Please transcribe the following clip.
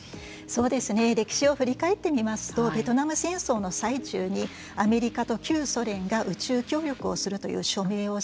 歴史を振り返ってみますとベトナム戦争の最中にアメリカと旧ソ連が宇宙協力をするという署名をし